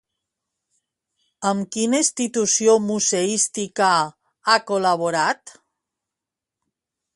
Amb quina institució museística ha col·laborat?